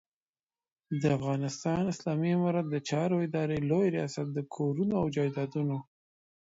د افغانستان اسلامي امارت د چارو ادارې لوی رياست د کورونو او جایدادونو